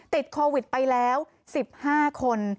ติดโควิดไปแล้ว๑๕คน